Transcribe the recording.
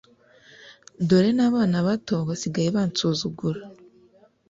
dore n'abana bato basigaye bansuzugura